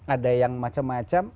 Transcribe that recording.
ada yang macam macam